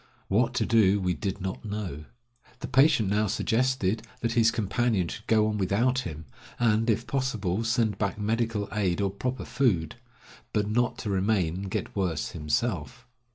What to do we did not know. The patient now suggested that his companion should go on without him, and, if possible, send back medical aid or proper food; but not to remain and get worse himself.